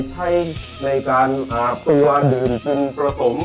ให้ในการอาบตัวดื่มจึงประสงค์